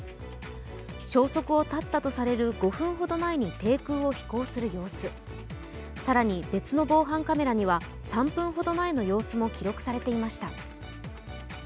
消息を絶ったとされる５分程前に低空を飛行する様子、更に、別の防犯カメラには、３分ほど前の様子も記録されていました。